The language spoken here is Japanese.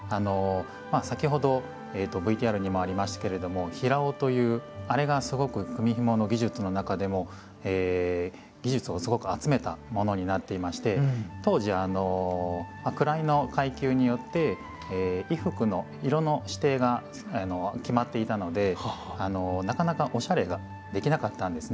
先ほどＶＴＲにもありましたけれども平緒というあれがすごく組みひもの技術の中でも。技術をすごく集めたものになっていまして当時位の階級によって衣服の色の指定が決まっていたのでなかなかオシャレができなかったんですね。